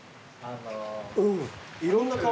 いろんな革？